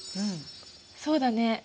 そうだね。